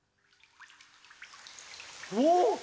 おっ！